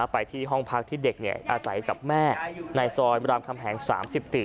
ไปที่ห้องพักที่เด็กอาศัยกับแม่ในซอยรามคำแหง๓๔